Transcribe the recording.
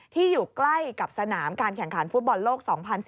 อยู่ใกล้กับสนามการแข่งขันฟุตบอลโลก๒๐๑๘